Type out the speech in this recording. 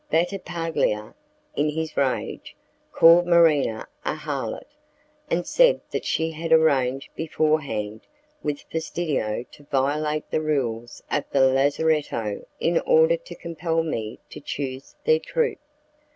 Battipaglia, in his rage, called Marina a harlot, and said that she had arranged beforehand with Fastidio to violate the rules of the lazaretto in order to compel me to choose their troupe.